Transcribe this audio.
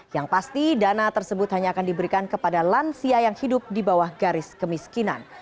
yang pasti dana tersebut hanya akan diberikan kepada lansia yang hidup di bawah garis kemiskinan